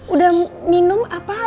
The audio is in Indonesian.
udah minum apa